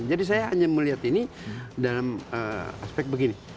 jadi saya hanya melihat ini dalam aspek begini